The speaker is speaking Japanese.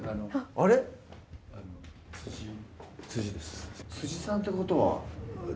あれっさんってことは？